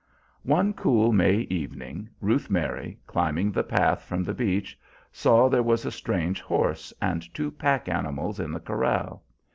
One cool May evening, Ruth Mary, climbing the path from the beach, saw there was a strange horse and two pack animals in the corral.